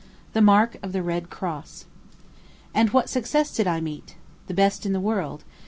THE MARK OF THE RED CROSS And what success did I meet? The best in the world.